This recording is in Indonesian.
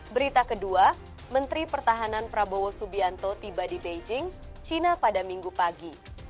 berita kedua menteri pertahanan prabowo subianto tiba di beijing cina pada minggu pagi